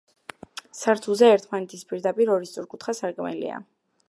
სართულზე, ერთმანეთის პირდაპირ, ორი სწორკუთხა სარკმელია.